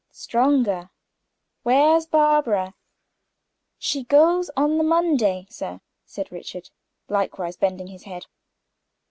"Stronger. Where's Barbara?" "She goes on Monday, sir," said Richard, likewise bending his head.